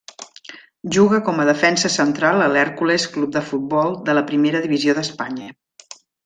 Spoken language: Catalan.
Juga com a defensa central a l'Hèrcules Club de Futbol de la Primera Divisió d'Espanya.